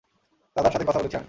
দাদার সাথে কথা বলেছি আমি।